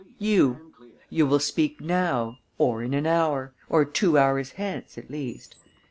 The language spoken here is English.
"You. You will speak now, or in an hour, or two hours hence at least.